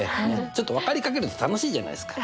ちょっと分かりかけると楽しいじゃないですか。